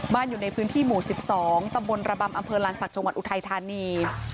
อยู่ในพื้นที่หมู่๑๒ตำบลระบำอำเภอลานศักดิ์จังหวัดอุทัยธานี